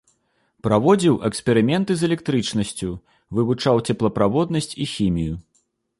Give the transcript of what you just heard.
Праводзіў эксперыменты з электрычнасцю, вывучаў цеплаправоднасць і хімію.